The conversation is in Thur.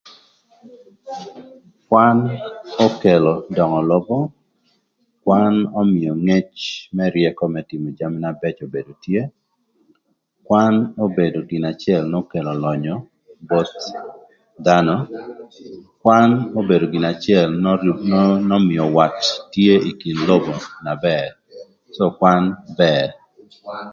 Kwan okelo döngö lobo, kwan ömïö ngec më ryëkö më tïmö jami na bëcö bedo tye, kwan obedo gin acël n'okelo lönyö both dhanö, kwan obedo gin acël n'ömïö wat tye ï kin lobo na bër cë dong kwan bër.